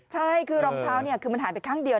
ใช่คือรองเท้าเนี่ยคือมันหายไปข้างเดียว